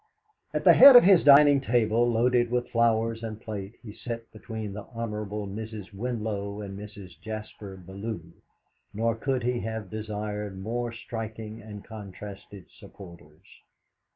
At the head of his dining table loaded with flowers and plate, he sat between the Hon. Mrs. Winlow and Mrs. Jaspar Bellew, nor could he have desired more striking and contrasted supporters.